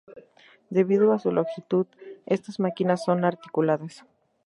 Debido a su longitud, estas máquinas son articuladas.